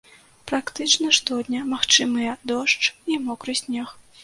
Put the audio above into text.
Практычна штодня магчымыя дождж і мокры снег.